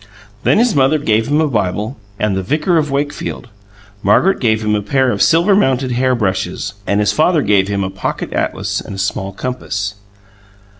Then his mother gave him a Bible and "The Vicar of Wakefield"; Margaret gave him a pair of silver mounted hair brushes; and his father gave him a "Pocket Atlas" and a small compass.